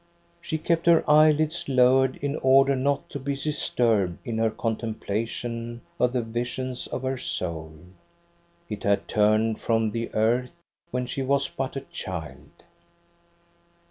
She kept her eyelids lowered in order not to be disturbed in her contemplation of the visions of her soul. It had turned from the earth when she was but a child.